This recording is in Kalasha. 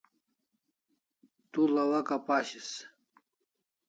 Du lawak apashis